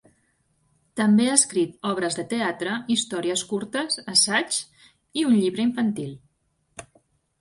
També ha escrit obres de teatre, històries curtes, assaigs i un llibre infantil.